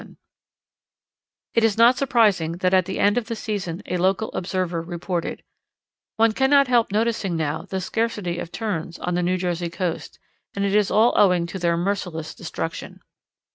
Photographed by Mrs. Granville Pike] It is not surprising that at the end of the season a local observer reported: "One cannot help noticing now the scarcity of Terns on the New Jersey coast, and it is all owing to their merciless destruction."